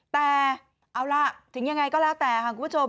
แต่เอาล่ะถึงยังไงก็แล้วแต่ค่ะคุณผู้ชม